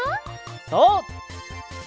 そう！